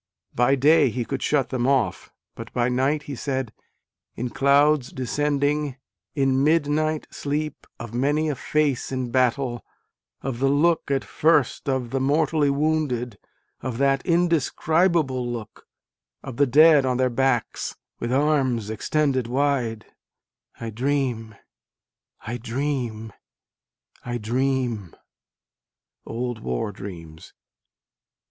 By day he could shut them off : but by night, he said, In clouds descending, in midnight sleep, of many a face in battle, Of the look at first of the mortally wounded, of that indescribable look, Of the dead on their backs, with arms extended wide I dream, I dream, I dream. (Old War Dreams.)